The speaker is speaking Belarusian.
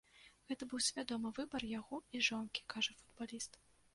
Гэта быў свядомы выбар яго і жонкі, кажа футбаліст.